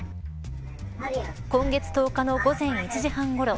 今月１０日の午前１時半ごろ